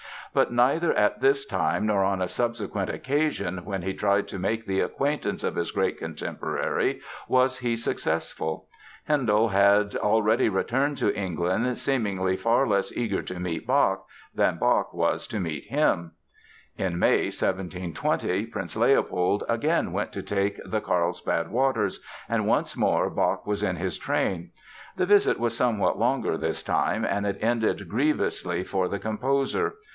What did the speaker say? But neither at this time nor on a subsequent occasion when he tried to make the acquaintance of his great contemporary was he successful. Handel had already returned to England, seemingly far less eager to meet Bach than Bach was to meet him. In May 1720, Prince Leopold again went to take the Carlsbad waters and once more Bach was in his train. The visit was somewhat longer this time and it ended grievously for the composer.